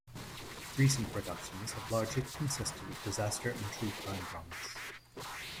Recent productions have largely consisted of disaster and true crime dramas.